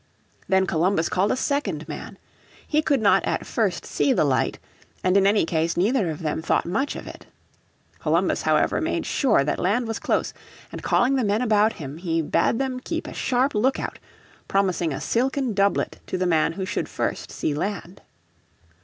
Then Columbus called a second man. He could not at first see the light, and in any case neither of them thought much of it. Columbus, however, made sure that land was close, and calling the men about him he bade them keep a sharp look out, promising a silken doublet to the man who should first see land.